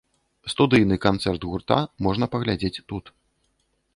Студыйны канцэрт гурта можна паглядзець тут.